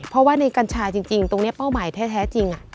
เพราะว่าในกัญชาจริงตรงนี้เป้าหมายแท้จริง